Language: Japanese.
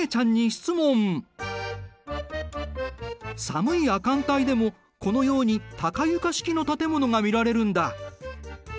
寒い亜寒帯でもこのように高床式の建物が見られるんだ。